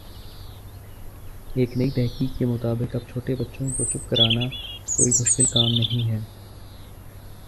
ایک نئی تحقیق کے مطابق اب چھوٹے بچوں کو چپ کر آنا کوئی مشکل کام نہیں ہے